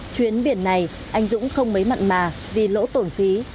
chuyến biển này anh dũng không mấy mặn mà vì lỗ tổn khí